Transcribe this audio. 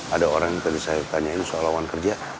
ada orang yang tadi saya tanyain soal lawan kerja